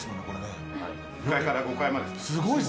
１階から５階まで。